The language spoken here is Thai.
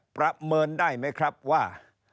ประเมินได้ไหมครับว่า